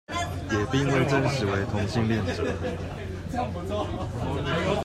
也並未證實為同性戀者